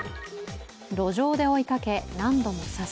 路上で追いかけ、何度も刺す。